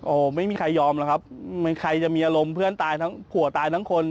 โอ้โหไม่มีใครยอมหรอกครับใครจะมีอารมณ์เพื่อนตายทั้งผัวตายทั้งคน